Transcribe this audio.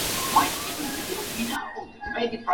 Binadamu ana mikono miwili pekee